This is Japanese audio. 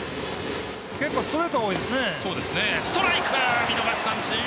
結構、ストレートが多いですね。